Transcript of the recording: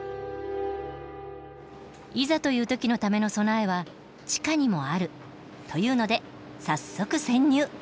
いざという時のための備えは地下にもあるというので早速潜入！